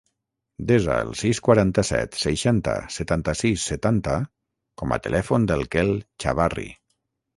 Desa el sis, quaranta-set, seixanta, setanta-sis, setanta com a telèfon del Quel Chavarri.